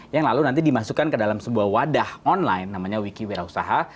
yang lalu nanti dimasukkan ke dalam sebuah wadah online namanya wiki wirausaha